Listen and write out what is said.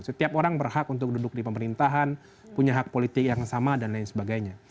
setiap orang berhak untuk duduk di pemerintahan punya hak politik yang sama dan lain sebagainya